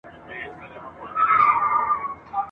پرسینه د خپل اسمان مي لمر لیدلی ځلېدلی !.